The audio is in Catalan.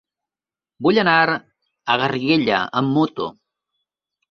Vull anar a Garriguella amb moto.